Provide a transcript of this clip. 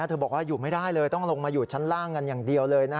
เธอบอกว่าอยู่ไม่ได้เลยต้องลงมาอยู่ชั้นล่างกันอย่างเดียวเลย